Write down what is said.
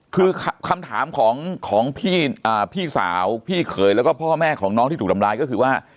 คือคำถามของพี่สาวพี่เขยแล้วก็พ่อแม่ของน้องที่ถูกทำร้ายก็คือว่า